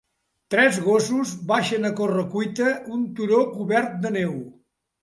Tres gossos baixen a corre-cuita un turó cobert de neu.